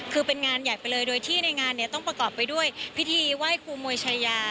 คือเป็นงานใหญ่ไปเลยโดยที่ในงานเนี่ยต้องประกอบไปด้วยพิธีไหว้ครูมวยชายา